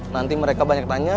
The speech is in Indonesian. nanti mereka banyak tanya